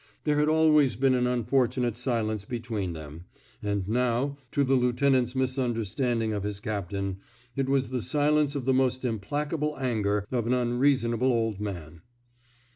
There had always been an unfortunate silence be tween them; and now, — to the lieuten ant's misunderstanding of his captain, — it was the silence of the most implacable anger of an unreasonable old man.